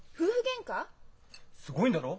すごいんだろ？